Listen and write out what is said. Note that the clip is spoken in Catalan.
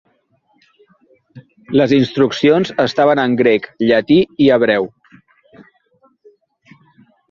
Les instruccions estaven en grec, llatí i hebreu.